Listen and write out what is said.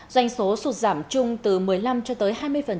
doanh số sụt giảm chung từ một mươi năm cho tới hai mươi